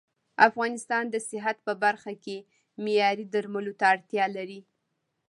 افغانستان د صحت په برخه کې معياري درملو ته اړتيا لري